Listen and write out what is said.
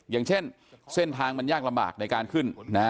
อย่างเช่นเส้นทางมันยากลำบากในการขึ้น